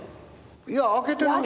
いや開けてない。